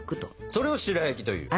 それを白焼きというの？